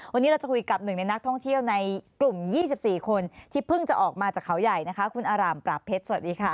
วันนี้เราจะคุยกับหนึ่งในนักท่องเที่ยวในกลุ่ม๒๔คนที่เพิ่งจะออกมาจากเขาใหญ่นะคะคุณอารามปราบเพชรสวัสดีค่ะ